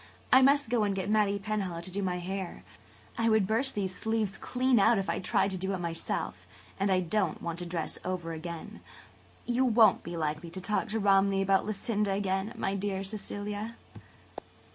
I must go and get Mattie Penhallow to do my hair. I would burst these sleeves clean out if I tried to do it myself and I don't want to dress over again. You won't be likely to talk to Romney about Lucinda again, my dear Cecilia?"